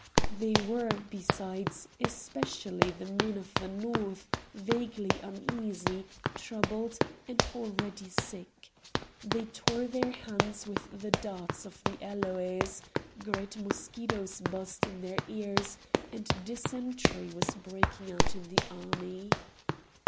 They were, besides, especially the men of the North, vaguely uneasy, troubled, and already sick. They tore their hands with the darts of the aloes; great mosquitoes buzzed in their ears, and dysentry was breaking out in the army.